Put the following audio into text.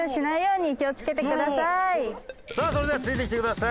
さあそれではついてきてください。